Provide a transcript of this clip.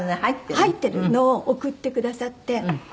入ってるのを贈ってくださって。